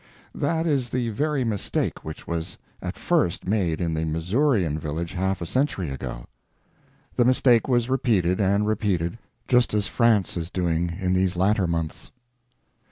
That is the very mistake which was at first made in the Missourian village half a century ago. The mistake was repeated and repeated—just as France is doing in these latter months.